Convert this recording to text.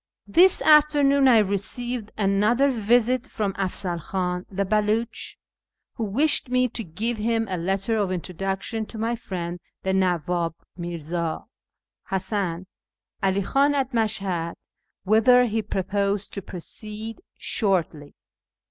— This afternoon I received another visit from Afzal Khan the Beluch, who wished me to give him a letter of introduction to my friend the Nawwab Mirza Hasan 'Ali Khan at Mashhad, whither he proposed to proceed shortly.